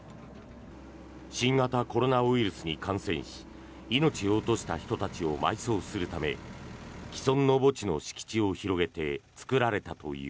新型コロナウイルスに感染し命を落とした人たちを埋葬するため既存の墓地の敷地を拡げて作られたという。